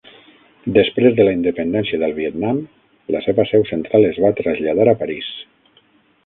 Després de la independència del Vietnam, la seva seu central es va traslladar a París.